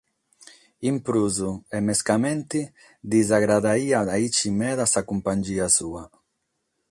In prus, e mescamente, ddis agradaiat aici meda sa cumpangia sua!